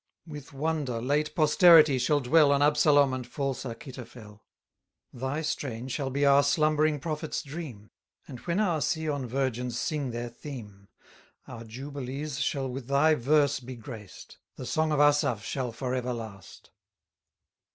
With wonder late posterity shall dwell On Absalom and false Achitophel: Thy strains shall be our slumbering prophets' dream, And when our Sion virgins sing their theme; Our jubilees shall with thy verse be graced, The song of Asaph shall for ever last.